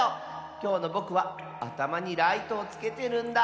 きょうのぼくはあたまにライトをつけてるんだ！